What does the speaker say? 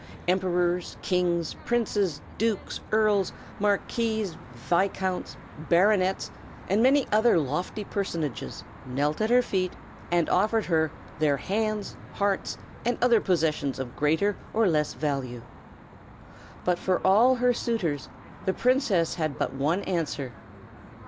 Emperors, kings, princes, dukes, earls, marquises, viscounts, baronets, and many other lofty personages knelt at her feet, and offered her their hands, hearts, and other possessions of greater or less value. But for all her suitors the princess had but one answer.